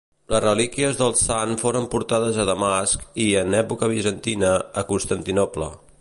Les relíquies del sant foren portades a Damasc i, en època bizantina, a Constantinoble.